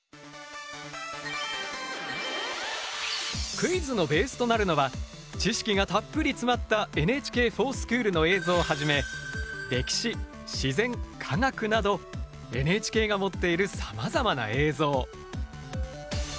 クイズのベースとなるのは知識がたっぷり詰まったＮＨＫｆｏｒＳｃｈｏｏｌの映像をはじめ歴史自然科学などＮＨＫが持っているさまざまな映像。